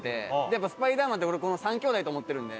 やっぱスパイダーマンって俺この３兄弟と思ってるんで。